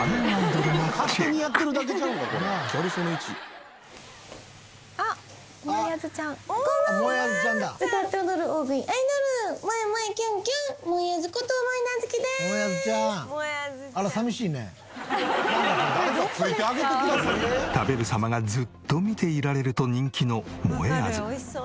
食べる様がずっと見ていられると人気のもえあず。